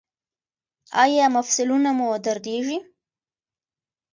ایا مفصلونه مو دردیږي؟